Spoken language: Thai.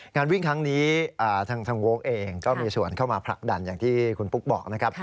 งานวิ่งครั้งนี้ทางโว๊คเองก็มีส่วนเข้ามาผลักดันอย่างที่คุณปุ๊กบอกนะครับ